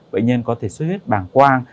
bệnh nhân có thể suất huyết bàng quang